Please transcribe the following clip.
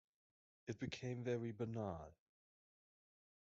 It became very banal.